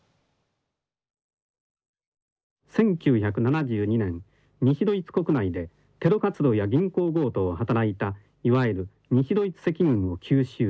「１９７２年西ドイツ国内でテロ活動や銀行強盗を働いたいわゆる西ドイツ赤軍を急襲。